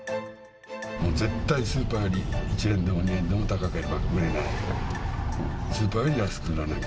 絶対スーパーより、１円でも２円でも高ければ売れない。